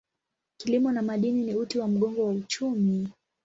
Kilimo na madini ni uti wa mgongo wa uchumi.